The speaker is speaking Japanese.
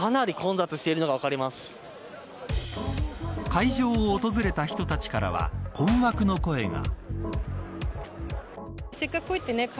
会場を訪れた人たちからは困惑の声が。